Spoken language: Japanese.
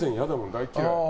大嫌い。